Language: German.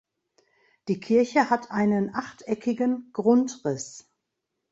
Die Kirche hat einen achteckigen Grundriss.